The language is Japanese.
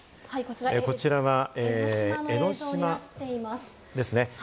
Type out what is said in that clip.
こちらは江の島ですね。